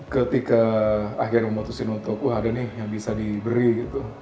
ketika akhirnya memutuskan untuk wah ada nih yang bisa diberi gitu